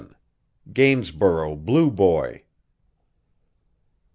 GAINSBOROUGH "BLUE BOY."